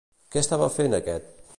Què estava fent aquest?